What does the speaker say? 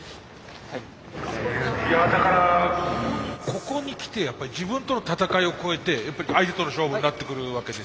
ここにきてやっぱり自分との闘いを超えて相手との勝負になってくるわけですよね。